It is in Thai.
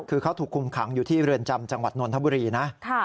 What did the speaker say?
คือเขาถูกคุมขังอยู่ที่เรือนจำจังหวัดนนทบุรีนะ